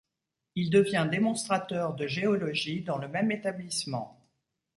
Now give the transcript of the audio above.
Il devient démonstrateur de géologie dans le même établissement.